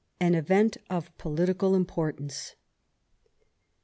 AN EVENT OF POLITICAL IMPORTANCE.